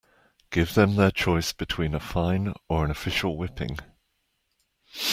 Give them their choice between a fine or an official whipping.